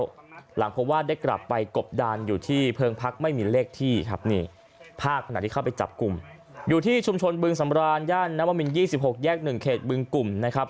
แล้วหลังเพราะว่าได้กลับไปกบดานอยู่ที่เพิงพักไม่มีเลขที่ครับนี่ภาคขณะที่เข้าไปจับกลุ่มอยู่ที่ชุมชนบึงสำรานย่านน้ำมินยี่สิบหกแยกหนึ่งเขตบึงกลุ่มนะครับ